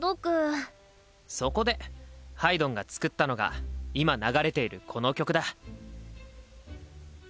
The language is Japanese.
そこでハイドンが作ったのが今流れているこの曲だ。